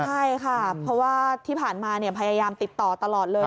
ใช่ค่ะเพราะว่าที่ผ่านมาพยายามติดต่อตลอดเลย